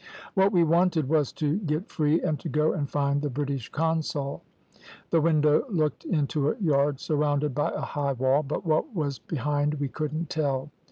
What we wanted was to get free, and to go and find the British consul. The window looked into a yard surrounded by a high wall; but what was behind we couldn't tell.